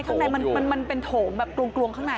ข้างในมันเป็นโถงแบบกลวงข้างใน